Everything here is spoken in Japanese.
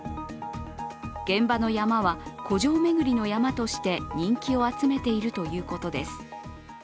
現場の山は古城巡りの山として人気を集めているということです。